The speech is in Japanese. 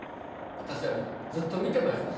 私はずっと見てました。